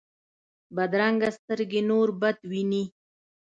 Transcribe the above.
بدرنګه سترګې نور بد ویني